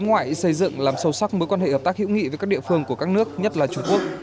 bộ ngoại giao sẽ xây dựng làm sâu sắc mối quan hệ hợp tác hữu nghị với các địa phương của các nước nhất là trung quốc